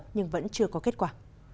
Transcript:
nhưng vẫn chưa có kết quả